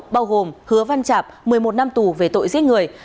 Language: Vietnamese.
bao gồm hứa văn chạp một mươi một năm tù về tội giết người